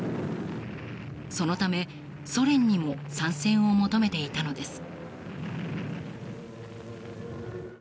そのため、ソ連にも参戦を求めていたのです。